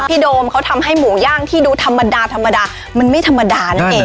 โดมเขาทำให้หมูย่างที่ดูธรรมดาธรรมดามันไม่ธรรมดานั่นเอง